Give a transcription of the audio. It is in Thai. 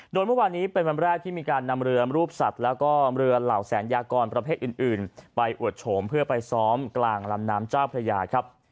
โดยเมื่อวานนี้เป็นวันแรกที่มีการนำเรือรูปสัตว์แล้วก็เรือเหล่าแสนยากรประเภทอื่นไปอวดโฉมเพื่อไปซ้อมกลางลำน้ำเจ้าพระยาครับ